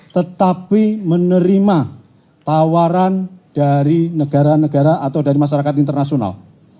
tetapi menerima tawaran dari negara negara atau dari masyarakat internasional